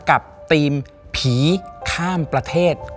กับทีมผีข้ามประเทศ